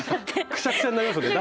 くしゃくしゃになりますよね。